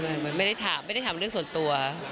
เหมือนไม่ได้ถามไม่ได้ถามเรื่องส่วนตัว